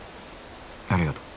ありがとう。